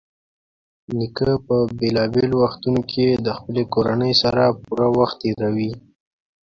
نیکه په بېلابېلو وختونو کې د خپلې کورنۍ سره پوره وخت تېروي.